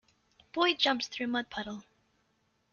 boy jumps through mud puddle.